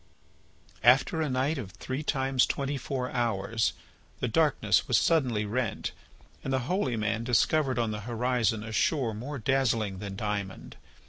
After a night of three times twenty four hours the darkness was suddenly rent and the holy man discovered on the horizon a shore more dazzling than diamond.